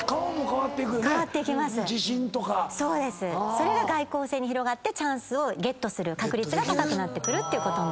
それが外向性に広がってチャンスをゲットする確率が高くなってくるっていうこと。